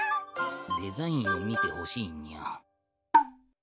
デザインを見てほしいにゃ。